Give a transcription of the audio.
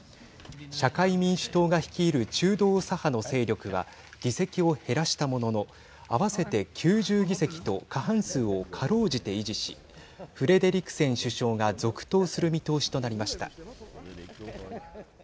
社会民主党が率いる中道左派の勢力が議席を減らしたものの合わせて９０議席と過半数をかろうじて維持しフレデリクセン首相が続投する見通しとなりました。